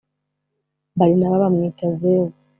barinaba bamwita zewu .